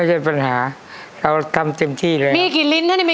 แช่ฟันมันไม่ค่อยมีเลยครับ